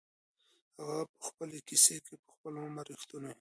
هغه په خپل کیسې کي په خپل عمر کي رښتونی و.